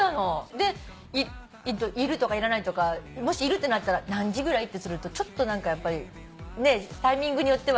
でいるとかいらないとかもしいるってなったら「何時ぐらい？」ってするとちょっと何かやっぱりねえタイミングによっては。